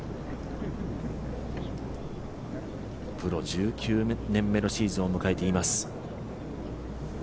プロ１９年目のシーズンを迎えています。